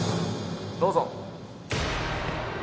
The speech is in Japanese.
どうぞ。